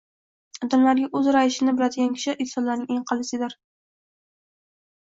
Odamlarga uzr aytishni biladigan kishi insonlarning eng aqllisidir.